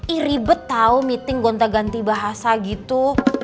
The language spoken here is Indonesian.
i ribet tahu meeting gonta ganti bahasa gitu